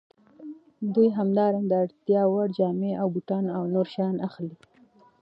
دوی همدارنګه د اړتیا وړ جامې او بوټان او نور شیان اخلي